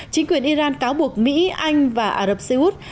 chính quyền iran cáo buộc mỹ anh và ả rập xê út